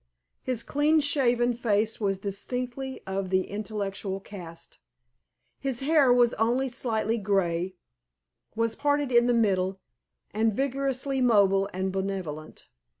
His clean shaven face was distinctly of the intellectual cast. His hair was only slightly grey, was parted in the middle and vigorously mobile and benevolent.